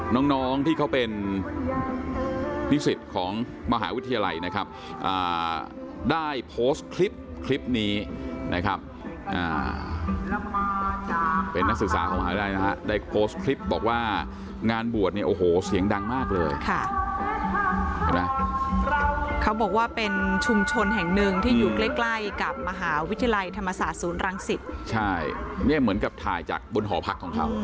วิสิทธิ์ของมหาวิทยาลัยนะครับอ่าได้โพสต์คลิปคลิปนี้นะครับอ่าเป็นนักศึกษาของมหาวิทยาลัยได้นะครับได้โพสต์คลิปบอกว่างานบวชเนี่ยโอ้โหเสียงดังมากเลยค่ะเขาบอกว่าเป็นชุมชนแห่งหนึ่งที่อยู่ใกล้ใกล้กับมหาวิทยาลัยธรรมศาสตร์ศูนย์รังสิทธิ์ใช่เนี่ยเหมือนกับถ่ายจาก